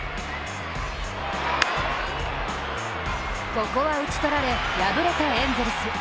ここは打ち取られ、敗れたエンゼルス。